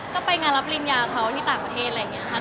ก็ไปนับรินญาตนี้ในต่างประเทศ